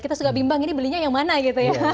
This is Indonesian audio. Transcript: kita suka bimbang ini belinya yang mana gitu ya